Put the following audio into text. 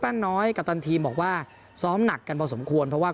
น้อยกัปตันทีมบอกว่าซ้อมหนักกันพอสมควรเพราะว่า